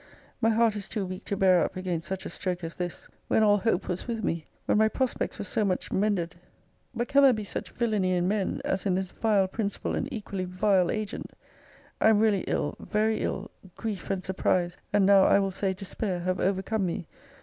My heart is too weak to bear up against such a stroke as this! When all hope was with me! When my prospects were so much mended! But can there be such villany in men, as in this vile principal, and equally vile agent! I am really ill very ill grief and surprise, and, now I will say, despair, have overcome me!